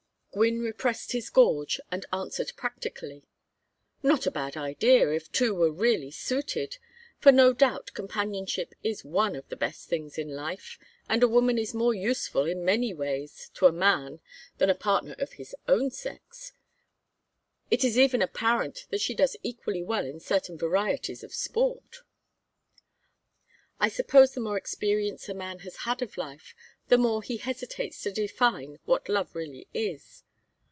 Gwynne repressed his gorge and answered practically: "Not a bad idea if two were really suited, for no doubt companionship is one of the best things in life, and a woman is more useful in many ways to a man than a partner of his own sex. It is even apparent that she does equally well in certain varieties of sport. I suppose the more experience a man has had of life the more he hesitates to define what love really is.